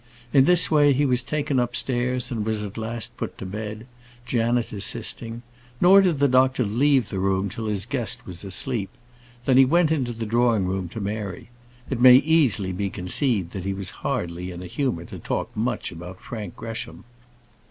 In this way, he was taken upstairs, and was at last put to bed, Janet assisting; nor did the doctor leave the room till his guest was asleep. Then he went into the drawing room to Mary. It may easily be conceived that he was hardly in a humour to talk much about Frank Gresham.